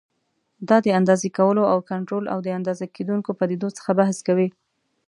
دا د اندازې کولو او کنټرول او د اندازه کېدونکو پدیدو څخه بحث کوي.